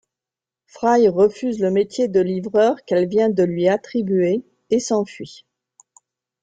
Fry refuse le métier de livreur qu'elle vient de lui attribuer et s'enfuit.